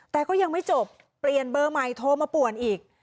แต่ก็ยังไม่จบเปลี่ยนเบอร์ใหม่โทรมาป่วนอีก